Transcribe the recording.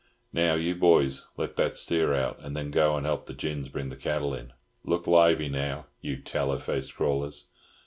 "Now, you boys, let that steer out, and then go and help the gins bring the cattle in. Look lively now, you tallow faced crawlers.